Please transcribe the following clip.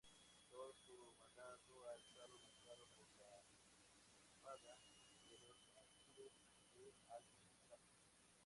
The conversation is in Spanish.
Todo su mandato ha estado marcado por la Intifada de los Mártires de Al-Aqsa.